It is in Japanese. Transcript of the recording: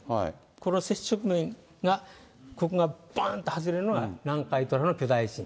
この接触面がここがばんと外れるのが、南海トラフの巨大地震。